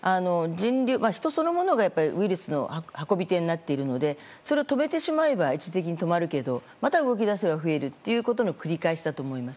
人そのものがウイルスの運び手になっているのでそれを止めてしまえば一時的に止まるけどまた動き出せば増えるということの繰り返しだと思います。